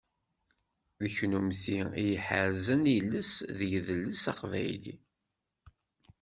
D kunemti i iḥerzen iles d yidles aqbayli.